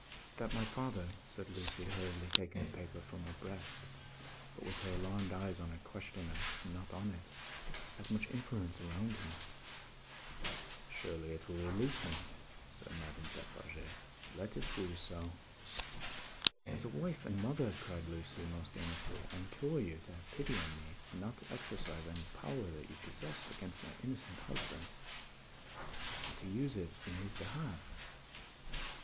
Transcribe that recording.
"That my father," said Lucie, hurriedly taking the paper from her breast, but with her alarmed eyes on her questioner and not on it, "has much influence around him." "Surely it will release him!" said Madame Defarge. "Let it do so." "As a wife and mother," cried Lucie, most earnestly, "I implore you to have pity on me and not to exercise any power that you possess, against my innocent husband, but to use it in his behalf.